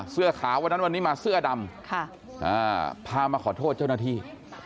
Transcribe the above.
เสื้อขาววันนั้นวันนี้มาเสื้อดำพามาขอโทษเจ้าหน้าที่